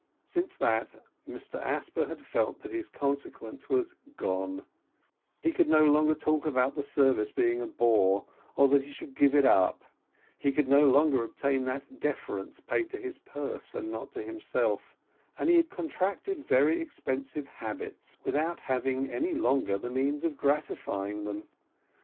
Since that, Mr Asper had felt that his consequence was gone: he could no longer talk about the service being a bore, or that he should give it up; he could no longer obtain that deference paid to his purse, and not to himself; and he had contracted very expensive habits, without having any longer the means of gratifying them.